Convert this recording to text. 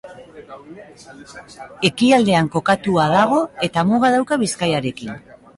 Ekialdean kokatua dago eta muga dauka Bizkaiarekin.